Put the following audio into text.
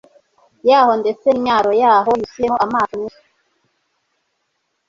yaho ndetse n'imyaro yaho yuzuyemo amato menshi.